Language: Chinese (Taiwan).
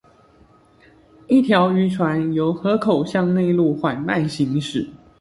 一條漁船由河口向內陸緩慢行駛